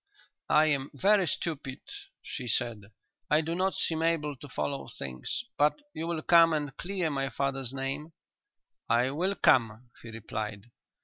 "I am very stupid," she said. "I do not seem able to follow things. But you will come and clear my father's name?" "I will come," he replied.